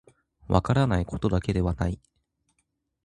分からないことだけではない